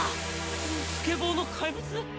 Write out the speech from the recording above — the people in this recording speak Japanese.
スケボーの怪物！？